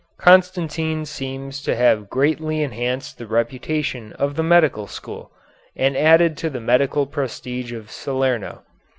Constantine seems to have greatly enhanced the reputation of the medical school, and added to the medical prestige of Salerno.